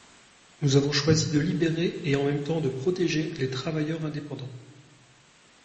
Nous avons choisi de libérer et en même temps de protéger les travailleurs indépendants.